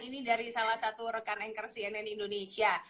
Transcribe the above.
ini dari salah satu rekan anchor cnn indonesia